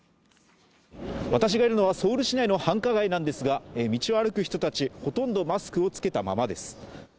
私がいるのはソウル市内の繁華街なんですが道を歩く人たちほとんどマスクをつけたままです